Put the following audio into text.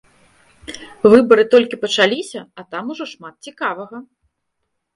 Выбары толькі пачаліся, а там ужо шмат цікавага!